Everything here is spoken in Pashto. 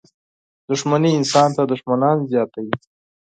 • دښمني انسان ته دښمنان زیاتوي.